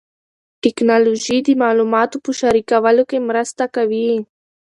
ټیکنالوژي د معلوماتو په شریکولو کې مرسته کوي.